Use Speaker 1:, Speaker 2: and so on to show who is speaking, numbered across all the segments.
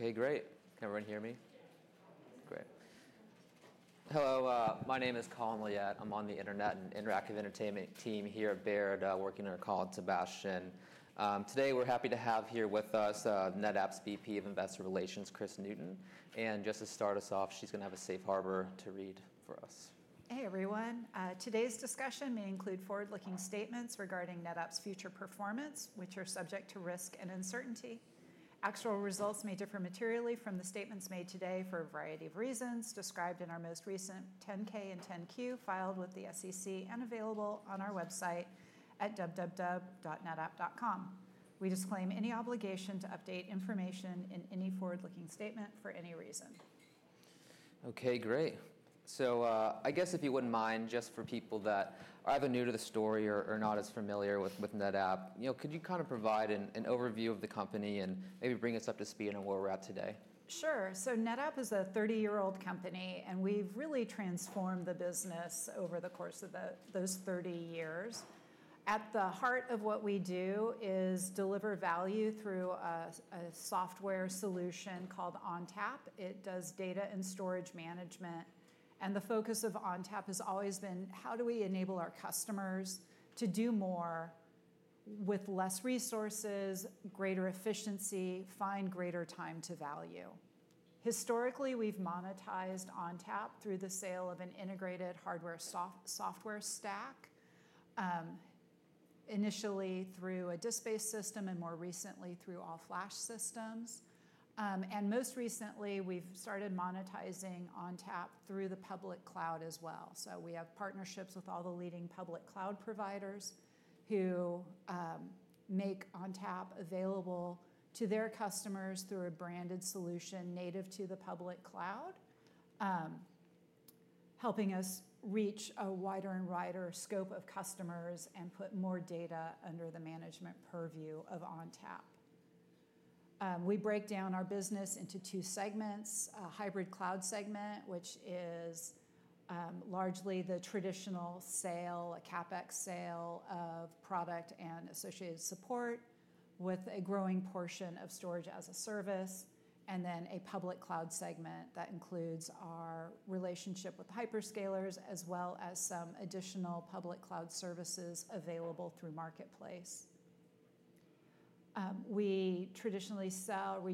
Speaker 1: Okay, great. Can everyone hear me?
Speaker 2: Yes.
Speaker 1: Great. Hello, my name is Colin Loyet. I'm on the Internet and Interactive Entertainment team here at Baird, working on a call with Sebastian. Today, we're happy to have here with us NetApp's VP of Investor Relations, Kris Newton. Just to start us off, she's going to have a safe harbor to read for us.
Speaker 2: Hey, everyone. Today's discussion may include forward-looking statements regarding NetApp's future performance, which are subject to risk and uncertainty. Actual results may differ materially from the statements made today for a variety of reasons, described in our most recent 10-K and 10-Q filed with the SEC and available on our website at www.netapp.com. We disclaim any obligation to update information in any forward-looking statement for any reason.
Speaker 1: Okay, great. I guess if you wouldn't mind, just for people that are either new to the story or not as familiar with NetApp, could you kind of provide an overview of the company and maybe bring us up to speed on where we're at today?
Speaker 2: Sure. NetApp is a 30-year-old company, and we've really transformed the business over the course of those 30 years. At the heart of what we do is deliver value through a software solution called ONTAP. It does data and storage management. The focus of ONTAP has always been how do we enable our customers to do more with less resources, greater efficiency, find greater time to value. Historically, we've monetized ONTAP through the sale of an integrated hardware software stack, initially through a disk-based system and more recently through all-flash systems. Most recently, we've started monetizing ONTAP through the public cloud as well. We have partnerships with all the leading public cloud providers who make ONTAP available to their customers through a branded solution native to the public cloud, helping us reach a wider and wider scope of customers and put more data under the management purview of ONTAP. We break down our business into two segments: a hybrid cloud segment, which is largely the traditional sale, a CapEx sale of product and associated support, with a growing portion of storage as a service, and then a public cloud segment that includes our relationship with hyperscalers, as well as some additional public cloud services available through marketplace. We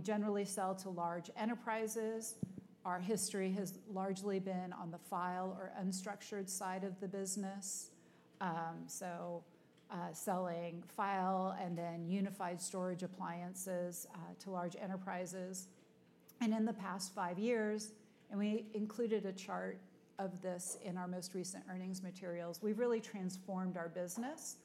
Speaker 2: generally sell to large enterprises. Our history has largely been on the file or unstructured side of the business, so selling file and then unified storage appliances to large enterprises. In the past five years, and we included a chart of this in our most recent earnings materials, we have really transformed our business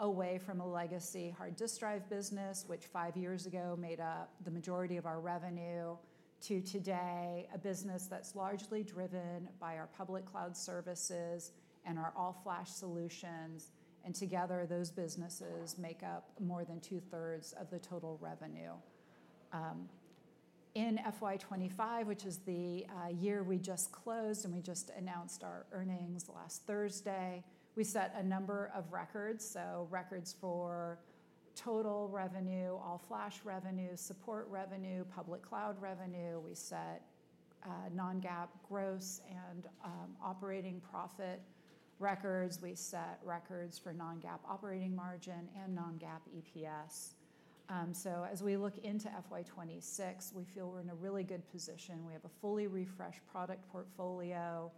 Speaker 2: away from a legacy hard disk drive business, which five years ago made up the majority of our revenue, to today, a business that is largely driven by our public cloud services and our all-flash solutions. Together, those businesses make up more than 2/3 of the total revenue. In FY 2025, which is the year we just closed and we just announced our earnings last Thursday, we set a number of records, records for total revenue, all-flash revenue, support revenue, public cloud revenue. We set non-GAAP gross and operating profit records. We set records for non-GAAP operating margin and non-GAAP EPS. As we look into FY 2026, we feel we are in a really good position. We have a fully refreshed product portfolio.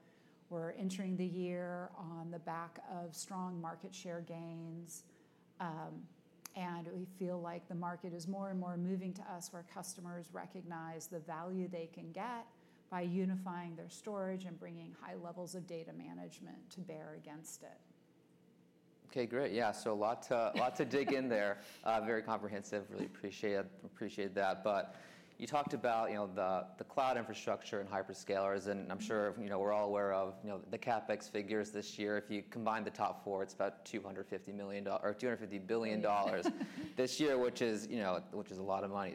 Speaker 2: We're entering the year on the back of strong market share gains. We feel like the market is more and more moving to us where customers recognize the value they can get by unifying their storage and bringing high levels of data management to bear against it.
Speaker 1: Okay, great. Yeah, so a lot to dig in there. Very comprehensive. Really appreciate that. You talked about the cloud infrastructure and hyperscalers, and I'm sure we're all aware of the CapEx figures this year. If you combine the top four, it's about $250 billion this year, which is a lot of money.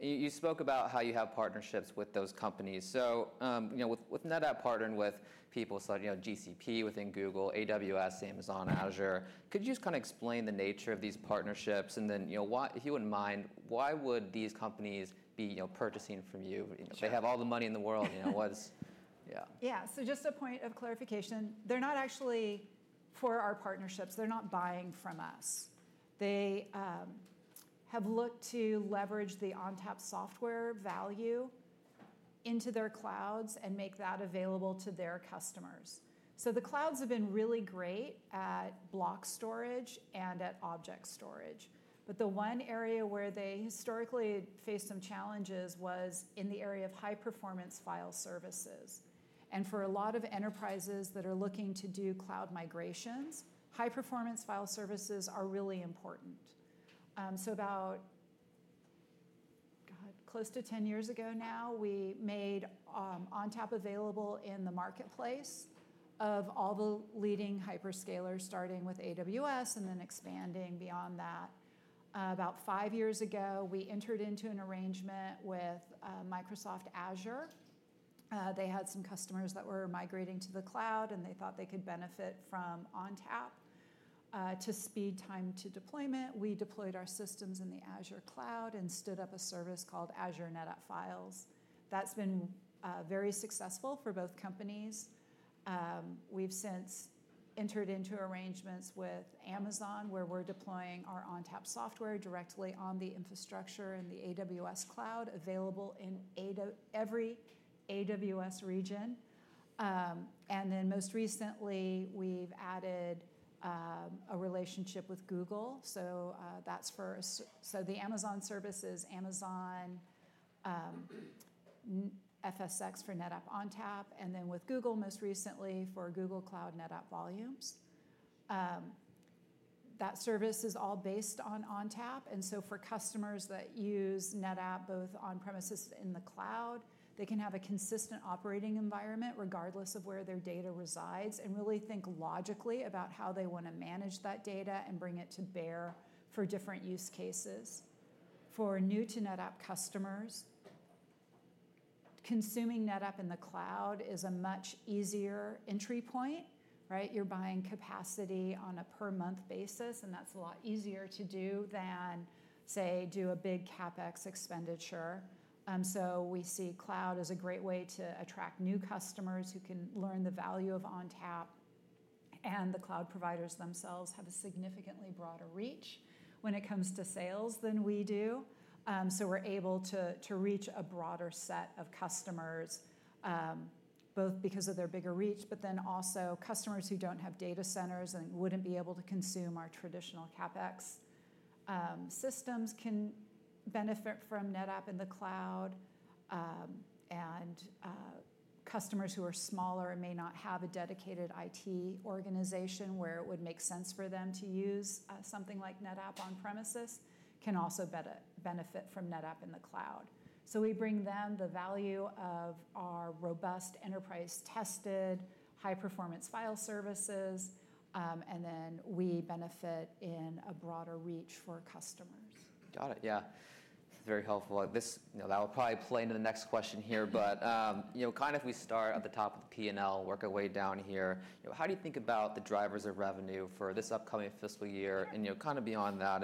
Speaker 1: You spoke about how you have partnerships with those companies. With NetApp partnering with people like GCP within Google, AWS, Amazon, Azure, could you just kind of explain the nature of these partnerships? And then if you wouldn't mind, why would these companies be purchasing from you? They have all the money in the world. Yeah.
Speaker 2: Yeah, so just a point of clarification. They're not actually for our partnerships. They're not buying from us. They have looked to leverage the ONTAP software value into their clouds and make that available to their customers. The clouds have been really great at block storage and at object storage. The one area where they historically faced some challenges was in the area of high-performance file services. For a lot of enterprises that are looking to do cloud migrations, high-performance file services are really important. About close to 10 years ago now, we made ONTAP available in the marketplace of all the leading hyperscalers, starting with AWS and then expanding beyond that. About five years ago, we entered into an arrangement with Microsoft Azure. They had some customers that were migrating to the cloud, and they thought they could benefit from ONTAP. To speed time to deployment, we deployed our systems in the Azure Cloud and stood up a service called Azure NetApp Files. That has been very successful for both companies. We have since entered into arrangements with Amazon, where we are deploying our ONTAP software directly on the infrastructure in the AWS Cloud available in every AWS region. Most recently, we have added a relationship with Google. The Amazon services, Amazon FSx for NetApp ONTAP, and then with Google, most recently for Google Cloud NetApp Volumes. That service is all based on ONTAP. For customers that use NetApp, both on-premises and in the cloud, they can have a consistent operating environment regardless of where their data resides and really think logically about how they want to manage that data and bring it to bear for different use cases. For new-to-NetApp customers, consuming NetApp in the cloud is a much easier entry point. You're buying capacity on a per-month basis, and that's a lot easier to do than, say, do a big CapEx expenditure. We see cloud as a great way to attract new customers who can learn the value of ONTAP. The cloud providers themselves have a significantly broader reach when it comes to sales than we do. We're able to reach a broader set of customers, both because of their bigger reach, but then also customers who don't have data centers and wouldn't be able to consume our traditional CapEx systems can benefit from NetApp in the cloud. Customers who are smaller and may not have a dedicated IT organization where it would make sense for them to use something like NetApp on-premises can also benefit from NetApp in the cloud. We bring them the value of our robust, enterprise-tested, high-performance file services, and then we benefit in a broader reach for customers.
Speaker 1: Got it. Yeah, that's very helpful. That will probably play into the next question here. If we start at the top of the P&L, work our way down here, how do you think about the drivers of revenue for this upcoming fiscal year and kind of beyond that?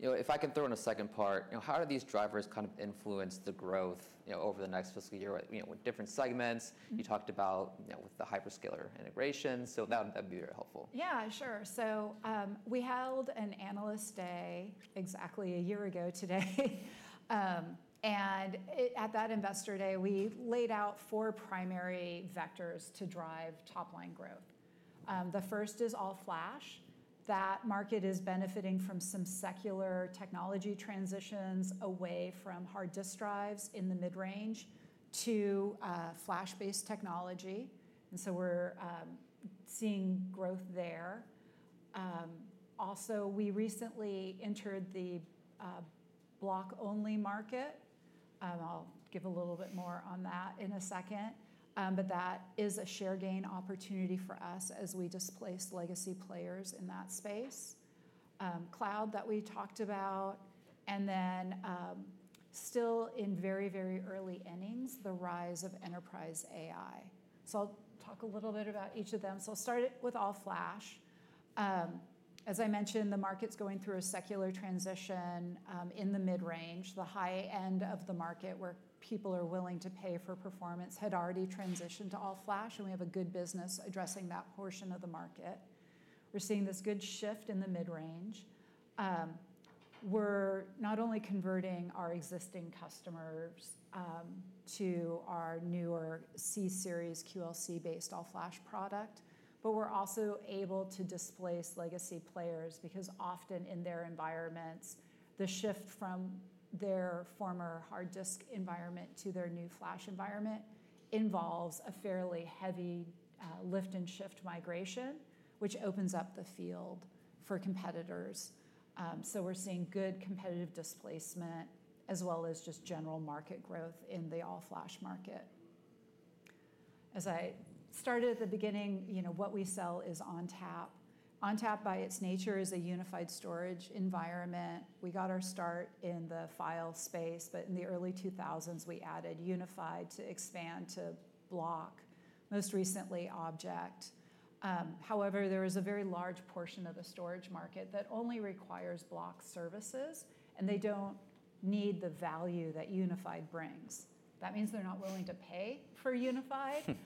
Speaker 1: If I can throw in a second part, how do these drivers kind of influence the growth over the next fiscal year with different segments? You talked about with the hyperscaler integration. That would be very helpful.
Speaker 2: Yeah, sure. We held an analyst day exactly a year ago today. At that investor day, we laid out four primary vectors to drive top-line growth. The first is all-flash. That market is benefiting from some secular technology transitions away from hard disk drives in the mid-range to flash-based technology. We are seeing growth there. Also, we recently entered the block-only market. I'll give a little bit more on that in a second. That is a share gain opportunity for us as we displace legacy players in that space. Cloud that we talked about. Still in very, very early innings, the rise of enterprise AI. I'll talk a little bit about each of them. I'll start with all-flash. As I mentioned, the market's going through a secular transition in the mid-range. The high end of the market where people are willing to pay for performance had already transitioned to all-flash, and we have a good business addressing that portion of the market. We're seeing this good shift in the mid-range. We're not only converting our existing customers to our newer C-Series QLC-based all-flash product, but we're also able to displace legacy players because often in their environments, the shift from their former hard disk environment to their new flash environment involves a fairly heavy lift-and-shift migration, which opens up the field for competitors. We're seeing good competitive displacement as well as just general market growth in the all-flash market. As I started at the beginning, what we sell is ONTAP. ONTAP, by its nature, is a unified storage environment. We got our start in the file space, but in the early 2000s, we added Unified to expand to block, most recently object. However, there is a very large portion of the storage market that only requires block services, and they do not need the value that Unified brings. That means they are not willing to pay for Unified.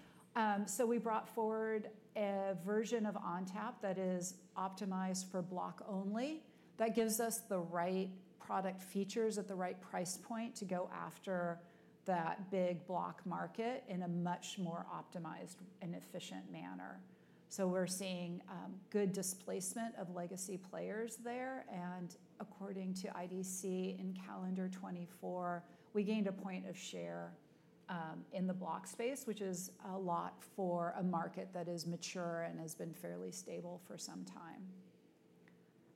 Speaker 2: We brought forward a version of ONTAP that is optimized for block only. That gives us the right product features at the right price point to go after that big block market in a much more optimized and efficient manner. We are seeing good displacement of legacy players there. According to IDC in calendar 2024, we gained a point of share in the block space, which is a lot for a market that is mature and has been fairly stable for some time.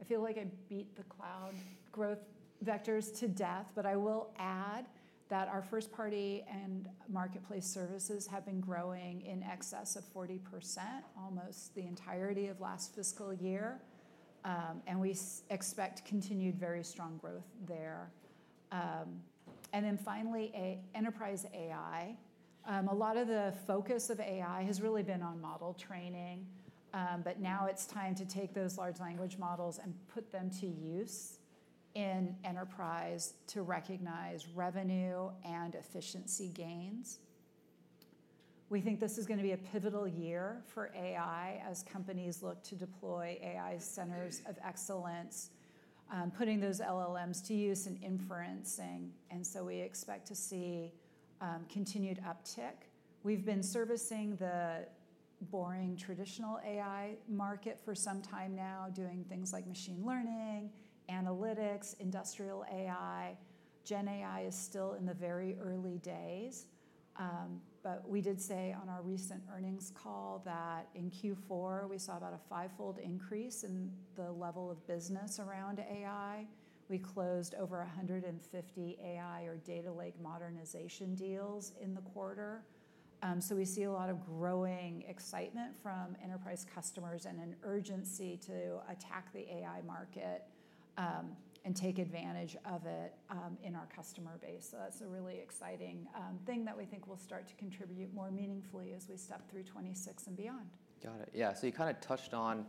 Speaker 2: I feel like I beat the cloud growth vectors to death, but I will add that our first-party and marketplace services have been growing in excess of 40%, almost the entirety of last fiscal year. We expect continued very strong growth there. Finally, enterprise AI. A lot of the focus of AI has really been on model training, but now it's time to take those large language models and put them to use in enterprise to recognize revenue and efficiency gains. We think this is going to be a pivotal year for AI as companies look to deploy AI centers of excellence, putting those LLMs to use and inferencing. We expect to see continued uptick. We've been servicing the boring traditional AI market for some time now, doing things like machine learning, analytics, industrial AI. Gen AI is still in the very early days. We did say on our recent earnings call that in Q4, we saw about a fivefold increase in the level of business around AI. We closed over 150 AI or data lake modernization deals in the quarter. We see a lot of growing excitement from enterprise customers and an urgency to attack the AI market and take advantage of it in our customer base. That is a really exciting thing that we think will start to contribute more meaningfully as we step through 2026 and beyond.
Speaker 1: Got it. Yeah. You kind of touched on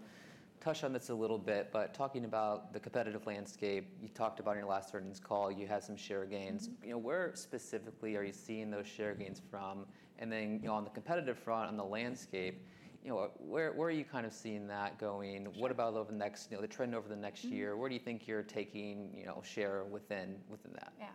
Speaker 1: this a little bit, but talking about the competitive landscape, you talked about in your last earnings call, you had some share gains. Where specifically are you seeing those share gains from? On the competitive front, on the landscape, where are you kind of seeing that going? What about over the next trend over the next year? Where do you think you're taking share within that?
Speaker 2: Yeah.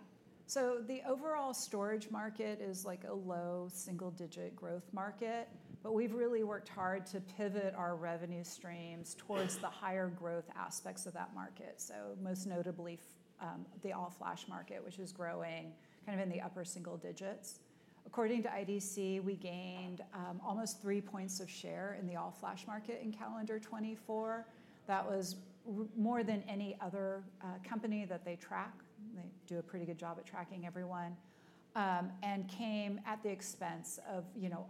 Speaker 2: The overall storage market is like a low single-digit growth market, but we've really worked hard to pivot our revenue streams towards the higher growth aspects of that market. Most notably, the all-flash market, which is growing kind of in the upper single digits. According to IDC, we gained almost three points of share in the all-flash market in calendar 2024. That was more than any other company that they track. They do a pretty good job at tracking everyone and came at the expense of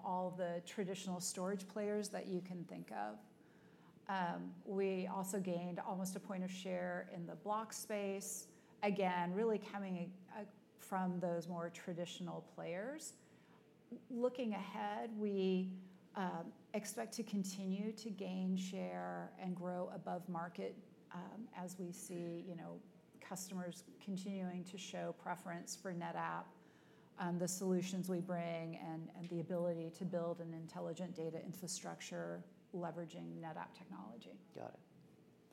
Speaker 2: all the traditional storage players that you can think of. We also gained almost a point of share in the block space, again, really coming from those more traditional players. Looking ahead, we expect to continue to gain share and grow above market as we see customers continuing to show preference for NetApp, the solutions we bring, and the ability to build an intelligent data infrastructure leveraging NetApp technology.
Speaker 1: Got it.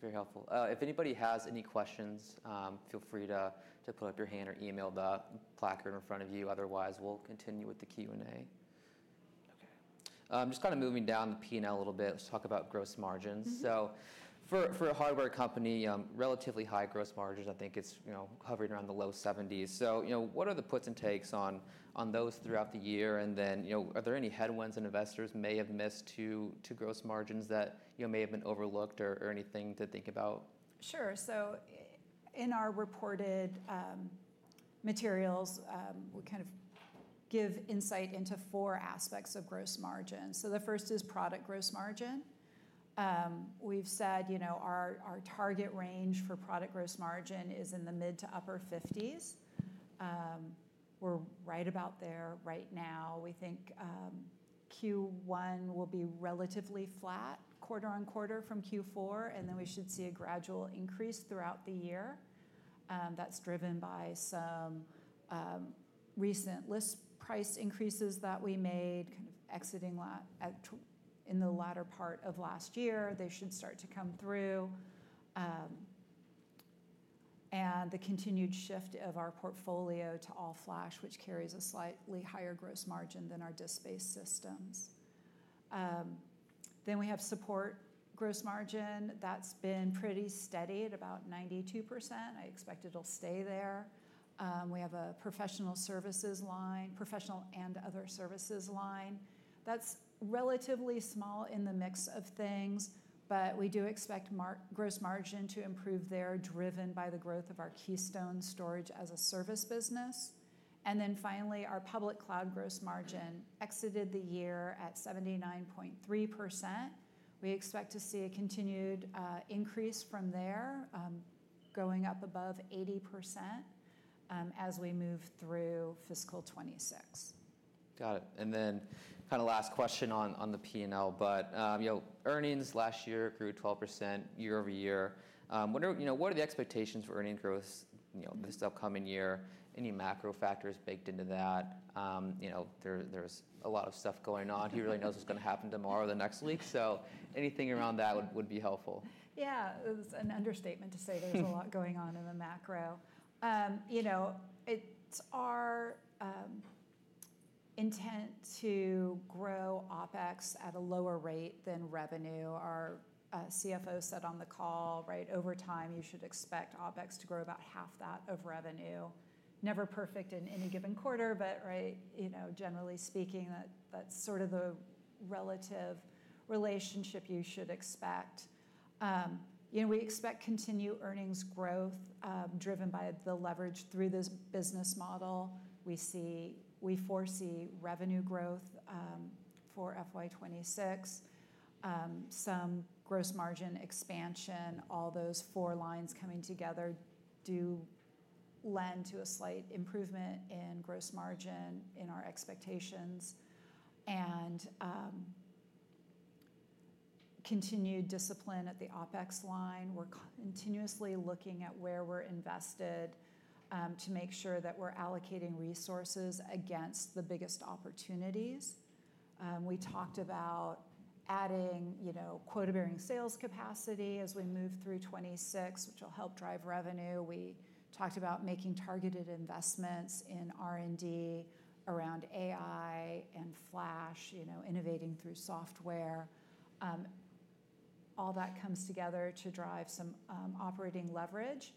Speaker 1: Very helpful. If anybody has any questions, feel free to put up your hand or email the placard in front of you. Otherwise, we'll continue with the Q&A. Okay. Just kind of moving down the P&L a little bit, let's talk about gross margins. For a hardware company, relatively high gross margins, I think it's hovering around the low 70%. What are the puts and takes on those throughout the year? Are there any headwinds that investors may have missed to gross margins that may have been overlooked or anything to think about?
Speaker 2: Sure. In our reported materials, we kind of give insight into four aspects of gross margins. The first is product gross margin. We've said our target range for product gross margin is in the mid to upper 50s. We're right about there right now. We think Q1 will be relatively flat quarter on quarter from Q4, and we should see a gradual increase throughout the year. That's driven by some recent list price increases that we made kind of exiting in the latter part of last year. They should start to come through. The continued shift of our portfolio to all-flash, which carries a slightly higher gross margin than our disk-based systems, also contributes. We have support gross margin. That's been pretty steady at about 92%. I expect it'll stay there. We have a professional services line, professional and other services line. That's relatively small in the mix of things, but we do expect gross margin to improve there, driven by the growth of our Keystone storage as a service business. Finally, our public cloud gross margin exited the year at 79.3%. We expect to see a continued increase from there, going up above 80% as we move through fiscal 2026.
Speaker 1: Got it. And then kind of last question on the P&L, but earnings last year grew 12% year over year. What are the expectations for earning growth this upcoming year? Any macro factors baked into that? There's a lot of stuff going on. He really knows what's going to happen tomorrow, the next week. So anything around that would be helpful.
Speaker 2: Yeah. It's an understatement to say there's a lot going on in the macro. It's our intent to grow OpEx at a lower rate than revenue. Our CFO said on the call, over time, you should expect OpEx to grow about half that of revenue. Never perfect in any given quarter, but generally speaking, that's sort of the relative relationship you should expect. We expect continued earnings growth driven by the leverage through this business model. We foresee revenue growth for FY 2026, some gross margin expansion. All those four lines coming together do lend to a slight improvement in gross margin in our expectations. Continued discipline at the OpEx line. We're continuously looking at where we're invested to make sure that we're allocating resources against the biggest opportunities. We talked about adding quota-bearing sales capacity as we move through 2026, which will help drive revenue. We talked about making targeted investments in R&D around AI and flash, innovating through software. All that comes together to drive some operating leverage.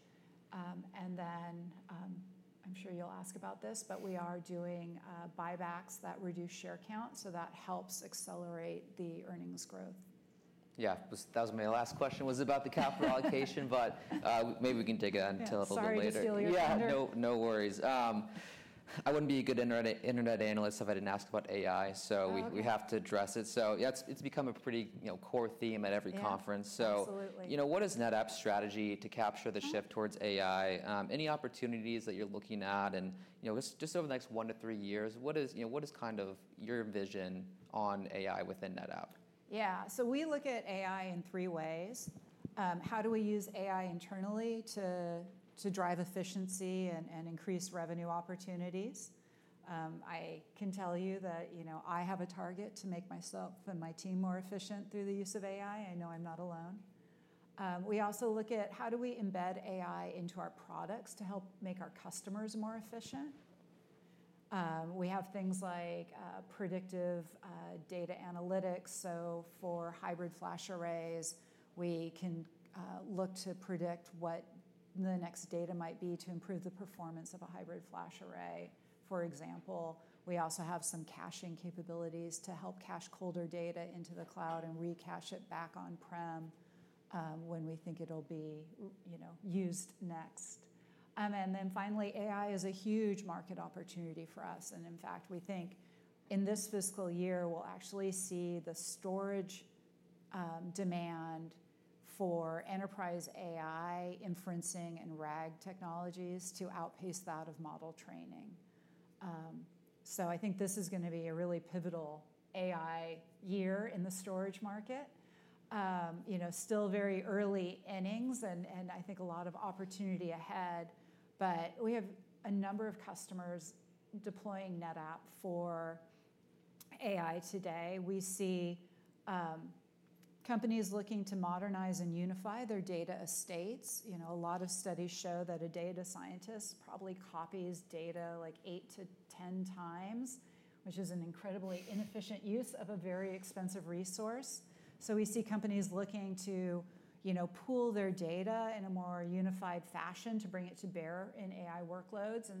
Speaker 2: I'm sure you'll ask about this, but we are doing buybacks that reduce share count. That helps accelerate the earnings growth.
Speaker 1: Yeah. That was my last question was about the capital allocation, but maybe we can take that until a little bit later.
Speaker 2: Sorry.
Speaker 1: No worries. I wouldn't be a good internet analyst if I didn't ask about AI, so we have to address it. It has become a pretty core theme at every conference. What is NetApp's strategy to capture the shift towards AI? Any opportunities that you're looking at? Just over the next one to three years, what is kind of your vision on AI within NetApp?
Speaker 2: Yeah. So we look at AI in three ways. How do we use AI internally to drive efficiency and increase revenue opportunities? I can tell you that I have a target to make myself and my team more efficient through the use of AI. I know I'm not alone. We also look at how do we embed AI into our products to help make our customers more efficient. We have things like predictive data analytics. For hybrid flash arrays, we can look to predict what the next data might be to improve the performance of a hybrid flash array. For example, we also have some caching capabilities to help cache colder data into the cloud and recache it back on-prem when we think it'll be used next. Finally, AI is a huge market opportunity for us. In fact, we think in this fiscal year, we'll actually see the storage demand for enterprise AI inferencing and RAG technologies to outpace that of model training. I think this is going to be a really pivotal AI year in the storage market. Still very early innings, and I think a lot of opportunity ahead, but we have a number of customers deploying NetApp for AI today. We see companies looking to modernize and unify their data estates. A lot of studies show that a data scientist probably copies data like eight to 10 times, which is an incredibly inefficient use of a very expensive resource. We see companies looking to pool their data in a more unified fashion to bring it to bear in AI workloads.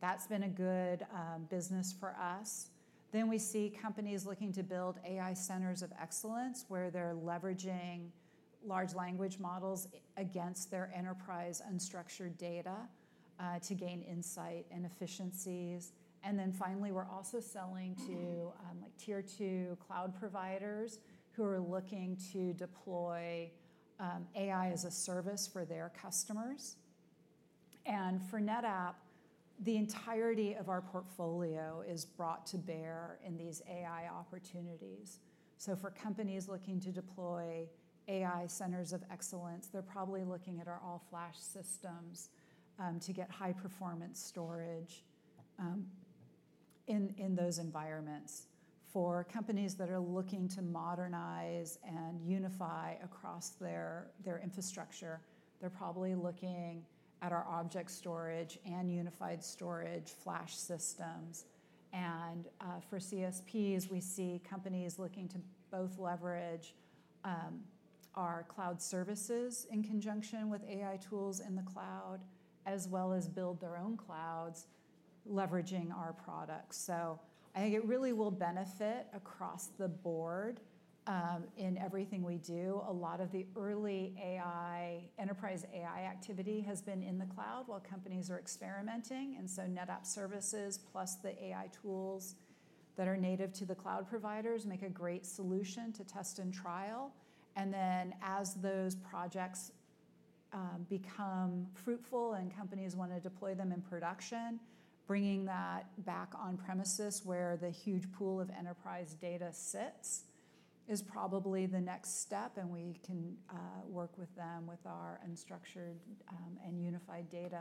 Speaker 2: That's been a good business for us. We see companies looking to build AI centers of excellence where they're leveraging large language models against their enterprise unstructured data to gain insight and efficiencies. Finally, we're also selling to tier two cloud providers who are looking to deploy AI as a service for their customers. For NetApp, the entirety of our portfolio is brought to bear in these AI opportunities. For companies looking to deploy AI centers of excellence, they're probably looking at our all-flash systems to get high-performance storage in those environments. For companies that are looking to modernize and unify across their infrastructure, they're probably looking at our object storage and unified storage flash systems. For CSPs, we see companies looking to both leverage our cloud services in conjunction with AI tools in the cloud, as well as build their own clouds leveraging our products. I think it really will benefit across the board in everything we do. A lot of the early enterprise AI activity has been in the cloud while companies are experimenting. NetApp services plus the AI tools that are native to the cloud providers make a great solution to test and trial. Then as those projects become fruitful and companies want to deploy them in production, bringing that back on-premises where the huge pool of enterprise data sits is probably the next step, and we can work with them with our unstructured and unified data.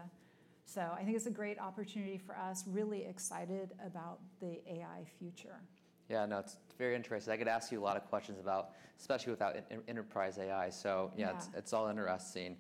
Speaker 2: I think it's a great opportunity for us, really excited about the AI future.
Speaker 1: Yeah. No, it's very interesting. I could ask you a lot of questions about, especially with enterprise AI. Yeah, it's all interesting.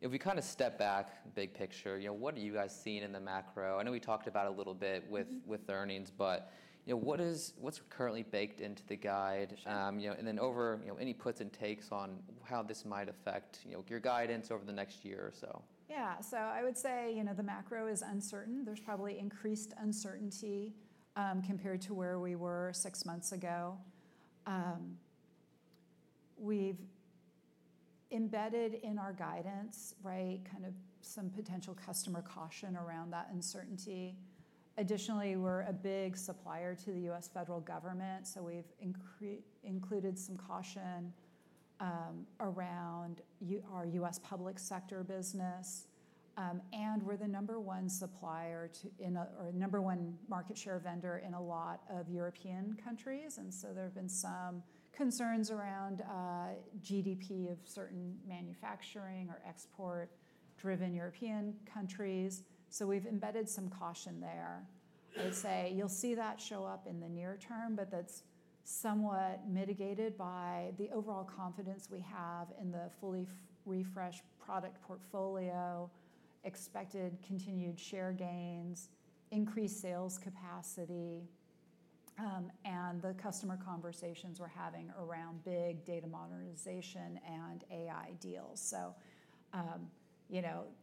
Speaker 1: If we kind of step back, big picture, what are you guys seeing in the macro? I know we talked about it a little bit with earnings, but what's currently baked into the guide? Any puts and takes on how this might affect your guidance over the next year or so.
Speaker 2: Yeah. I would say the macro is uncertain. There's probably increased uncertainty compared to where we were six months ago. We've embedded in our guidance kind of some potential customer caution around that uncertainty. Additionally, we're a big supplier to the U.S. federal government, so we've included some caution around our U.S. public sector business. We're the number one supplier or number one market share vendor in a lot of European countries. There have been some concerns around GDP of certain manufacturing or export-driven European countries. We've embedded some caution there. I'd say you'll see that show up in the near term, but that's somewhat mitigated by the overall confidence we have in the fully refreshed product portfolio, expected continued share gains, increased sales capacity, and the customer conversations we're having around big data modernization and AI deals.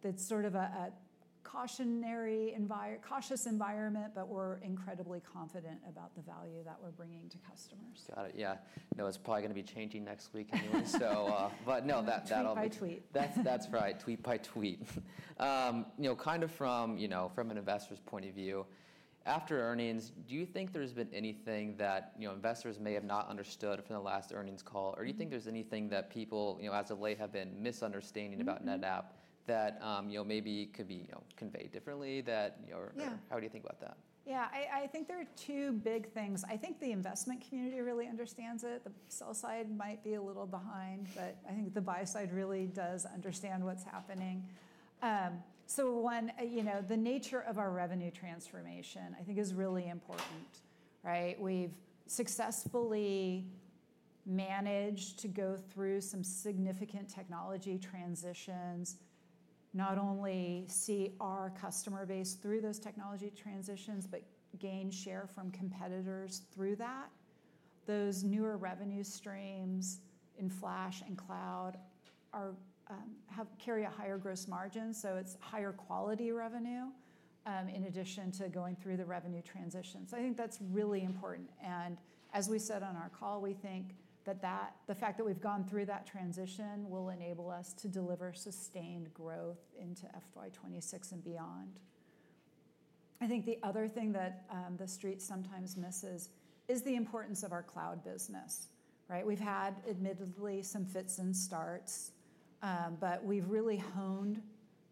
Speaker 2: It's sort of a cautionary environment, cautious environment, but we're incredibly confident about the value that we're bringing to customers.
Speaker 1: Got it. Yeah. No, it's probably going to be changing next week anyway. No, that'll be.
Speaker 2: Tweet by tweet.
Speaker 1: That's right. Tweet by tweet. Kind of from an investor's point of view, after earnings, do you think there's been anything that investors may have not understood from the last earnings call? Or do you think there's anything that people as of late have been misunderstanding about NetApp that maybe could be conveyed differently? How do you think about that?
Speaker 2: Yeah. I think there are two big things. I think the investment community really understands it. The sell side might be a little behind, but I think the buy side really does understand what's happening. One, the nature of our revenue transformation, I think, is really important. We've successfully managed to go through some significant technology transitions, not only see our customer base through those technology transitions, but gain share from competitors through that. Those newer revenue streams in flash and cloud carry a higher gross margin, so it's higher quality revenue in addition to going through the revenue transition. I think that's really important. As we said on our call, we think that the fact that we've gone through that transition will enable us to deliver sustained growth into FY 2026 and beyond. I think the other thing that the street sometimes misses is the importance of our cloud business. We've had, admittedly, some fits and starts, but we've really honed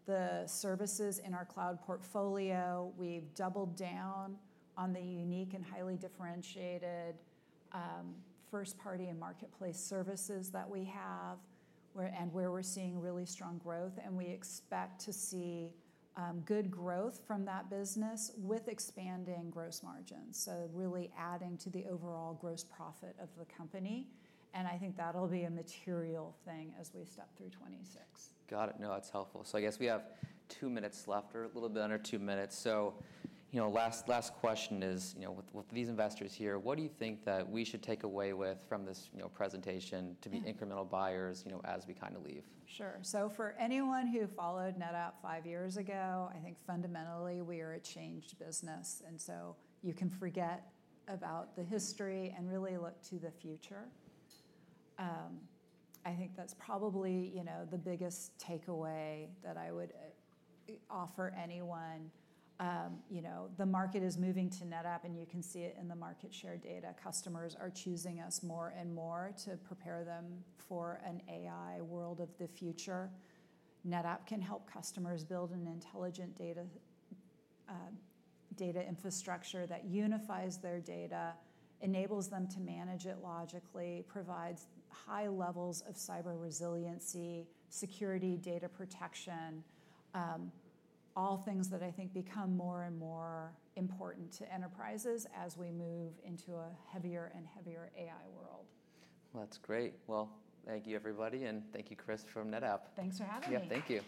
Speaker 2: the services in our cloud portfolio. We've doubled down on the unique and highly differentiated first-party and marketplace services that we have and where we're seeing really strong growth. We expect to see good growth from that business with expanding gross margins, really adding to the overall gross profit of the company. I think that'll be a material thing as we step through 2026.
Speaker 1: Got it. No, that's helpful. I guess we have two minutes left or a little bit under two minutes. Last question is, with these investors here, what do you think that we should take away from this presentation to be incremental buyers as we kind of leave?
Speaker 2: Sure. For anyone who followed NetApp five years ago, I think fundamentally we are a changed business. You can forget about the history and really look to the future. I think that's probably the biggest takeaway that I would offer anyone. The market is moving to NetApp, and you can see it in the market share data. Customers are choosing us more and more to prepare them for an AI world of the future. NetApp can help customers build an intelligent data infrastructure that unifies their data, enables them to manage it logically, provides high levels of cyber resiliency, security, data protection, all things that I think become more and more important to enterprises as we move into a heavier and heavier AI world.
Speaker 1: That's great. Thank you, everybody. And thank you, Kris, from NetApp.
Speaker 2: Thanks for having me.
Speaker 1: Yeah, thank you.